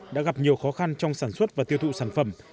đã gặp nhiều khó khăn trong sản xuất và tiêu thụ sản phẩm